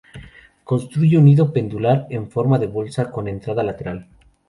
Construye un nido pendular en forma de bolsa con entrada lateral.